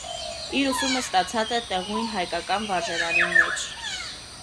Իր ուսումը ստացած է տեղւոյն հայկական վարժարանին մէջ։